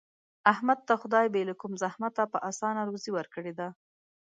احمد ته خدای بې له کوم زحمته په اسانه روزي ورکړې ده.